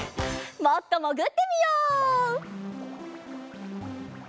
もっともぐってみよう。